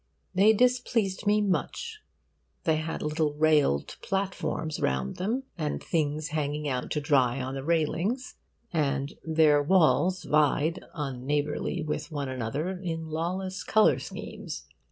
They displeased me much. They had little railed platforms round them, and things hanging out to dry on the railings; and their walls vied unneighbourly with one another in lawless colour schemes.